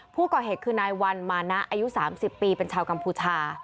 ผู้ก่อเหตุคือนายวันมานะอายุ๓๐ปีเป็นชาวกัมพูชา